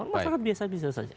masyarakat biasa biasa saja